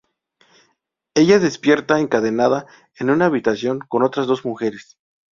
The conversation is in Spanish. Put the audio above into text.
Ella despierta encadenada en una habitación con otras dos mujeres.